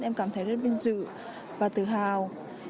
em cảm thấy rất binh dự và tự hào